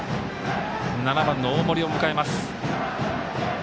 ７番の大森を迎えます。